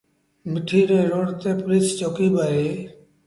مٺيٚ روڊ تي پوُليٚس چوڪيٚ با اهي۔